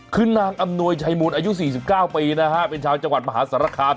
คือนางอำนวยชัยมูลอายุ๔๙ปีนะฮะเป็นชาวจังหวัดมหาสารคาม